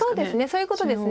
そういうことです。